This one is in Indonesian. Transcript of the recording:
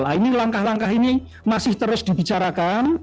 nah ini langkah langkah ini masih terus dibicarakan